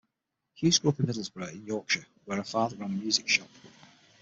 Hughes grew up in Middlesbrough in Yorkshire, where her father ran a music shop.